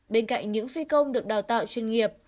bên cạnh những phi công được đào tạo chuyên nghiệp